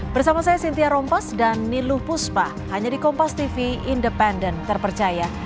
bersama saya cynthia rompas dan niluh puspa hanya di kompas tv independen terpercaya